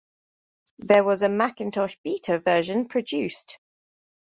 There was a Macintosh Beta version produced.